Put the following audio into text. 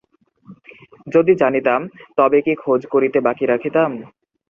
যদি জানিতাম, তবে কি খোঁজ করিতে বাকি রাখিতাম?